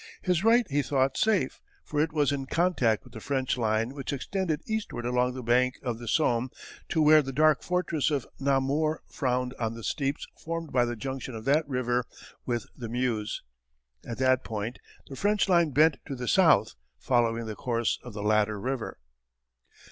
His right he thought safe, for it was in contact with the French line which extended eastward along the bank of the Somme to where the dark fortress of Namur frowned on the steeps formed by the junction of that river with the Meuse. At that point the French line bent to the south following the course of the latter river.